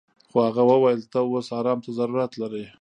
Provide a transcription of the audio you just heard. خو هغه وويل ته اوس ارام ته ضرورت لري.